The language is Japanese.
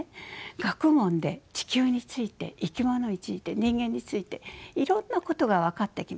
学問で地球について生き物について人間についていろんなことが分かってきました。